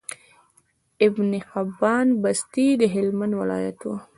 ابن حبان بستي د هلمند ولايت وو